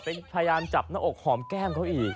เป็นพยายามจับหน้าอกหอมแก้มเขาอีก